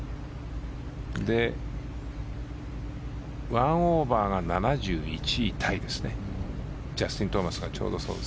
１オーバーが７１位タイですね。